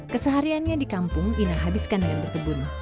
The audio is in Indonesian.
kesehariannya di kampung ina habiskan dengan berkebun